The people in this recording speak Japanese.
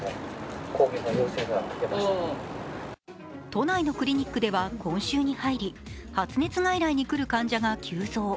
都内のクリニックでは今週に入り発熱外来に来る患者が急増。